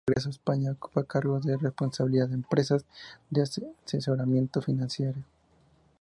De regreso a España, ocupa cargos de responsabilidad en empresas de asesoramiento financiero.